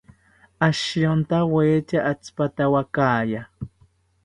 Ashirontaweta atzipatawakaya